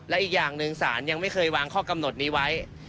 และอีกอย่างหนึ่งศาลยังไม่เคยวางข้อกำหนดนี้ไว้